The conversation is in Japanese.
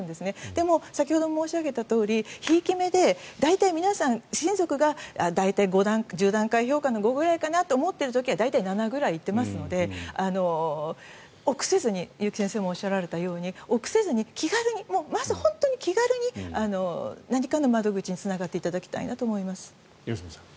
でも先ほど申し上げたとおりひいき目で大体皆さん親族が大体、１０段階評価の５ぐらいかなと思っている時は７ぐらい行ってますので臆せずに結城先生もおっしゃられたように臆せずに気軽にまず本当に気軽に何かの窓口につながっていただきたいと良純さん。